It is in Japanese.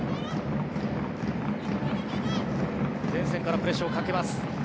前線からプレッシャーをかけます。